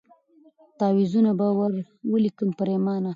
تعویذونه به ور ولیکم پرېمانه